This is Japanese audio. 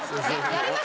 やります？